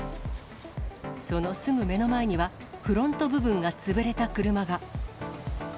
そのすぐ目の前には、フロント部分が潰れた車が。